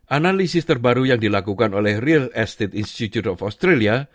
analisis terbaru yang dilakukan oleh real estate institute of australia